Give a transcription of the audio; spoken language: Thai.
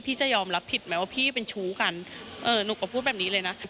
จะยอมรับผิดไหมว่าพี่เป็นชู้กันหนูก็พูดแบบนี้เลยนะ